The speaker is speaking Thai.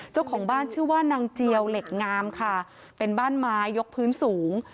เจ้าของบ้านชื่อว่านางเจียวเหล็กงามค่ะเป็นบ้านไม้ยกพื้นสูง